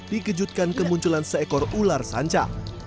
dikejutkan kemunculan seekor ular sanca